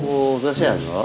oh gak siap mbok